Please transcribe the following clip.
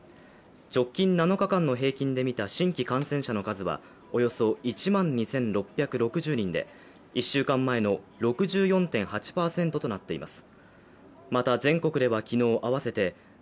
直近７日間の平均で見た新規感染者の数はおよそ１万２６６０人で、１週間前の６４．８％となっています。